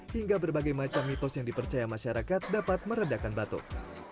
hingga berbagai macam mitos yang dipercaya masyarakat dapat meredakan batuk